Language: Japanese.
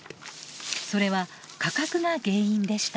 それは価格が原因でした。